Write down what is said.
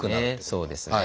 そうですね。